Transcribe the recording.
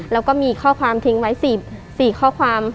แล้วก็มีข้อความทิ้งไว้๔ข้อความ